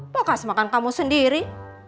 bekas makan kamu sendiri